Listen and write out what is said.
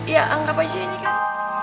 ya anggap aja ini kan